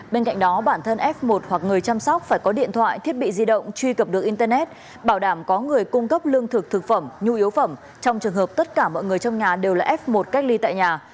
bên cạnh đó bản thân f một hoặc người chăm sóc phải có điện thoại thiết bị di động truy cập được internet bảo đảm có người cung cấp lương thực thực phẩm nhu yếu phẩm trong trường hợp tất cả mọi người trong nhà đều là f một cách ly tại nhà